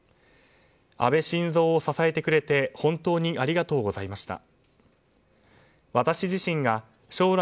安倍晋三を支えてくれて本当にありがとうございました。